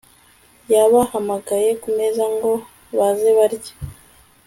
yabahamagaye kumeza ngo baze barye